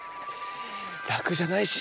らくじゃないし。